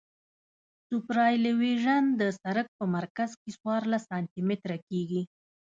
سوپرایلیویشن د سرک په مرکز کې څوارلس سانتي متره کیږي